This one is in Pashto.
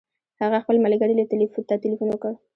هغه خپل ملګري ته تلیفون وکړ.